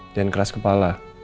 jangan keras kepala